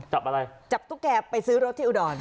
จับอะไรจับตุ๊กแกไปซื้อรถที่อุดร